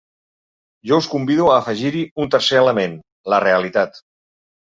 Jo us convido a afegir-hi un tercer element: la realitat.